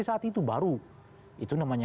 saat itu baru itu namanya